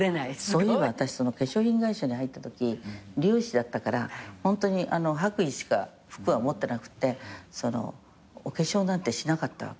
そういえば私化粧品会社に入ったとき理容師だったからホントに白衣しか服は持ってなくてお化粧なんてしなかった。